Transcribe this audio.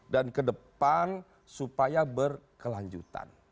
dan ke depan supaya berkelanjutan